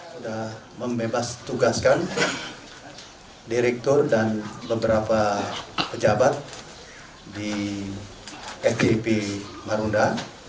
sudah membebas tugaskan direktur dan beberapa pejabat di fpip marunda